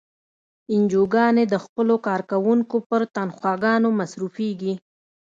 انجوګانې د خپلو کارکوونکو پر تنخواګانو مصرفیږي.